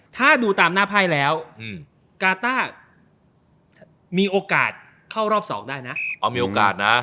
ถ้าดูตามหน้าไพ่แล้วการ์ต้ามีโอกาสเข้ารอบ๒ได้นะ